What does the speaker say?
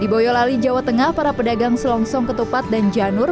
di boyolali jawa tengah para pedagang selongsong ketupat dan janur